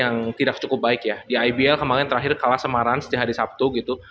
yang tidak cukup baik ya di ibl kemarin terakhir kalah samaran sejak hari sabtu gitu